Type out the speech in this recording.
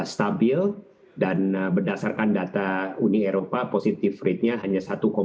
stabil dan berdasarkan data uni eropa positif ratenya hanya satu dua puluh sembilan